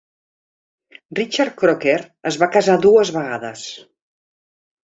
Richard Croker es va casar dues vegades.